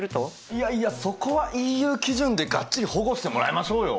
いやいやそこはＥＵ基準でがっちり保護してもらいましょうよ。